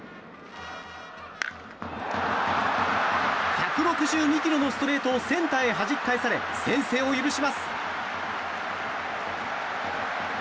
１６２キロのストレートをセンターへはじき返され先制を許します。